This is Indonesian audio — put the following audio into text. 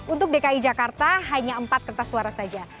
untuk dki jakarta hanya empat kertas suara saja